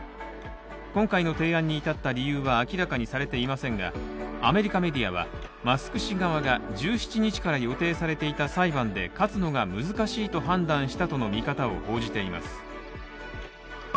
今回の提案に至った理由は明らかにされていませんが、アメリカメディアは、マスク氏側が１７日から予定されていた裁判で勝つのが難しいと判断したとの見方を報じています。